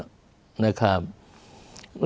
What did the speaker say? เรื่องโรคภัยไข้เจ็บมันก็จะเกิดขึ้น